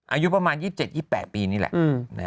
อายุประมาณ๒๗๒๘ปีนี่แหละ